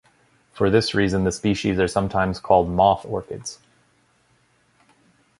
For this reason, the species are sometimes called moth orchids.